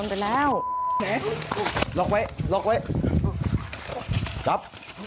หลบไว้หลับ